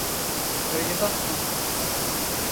Öyle bakma.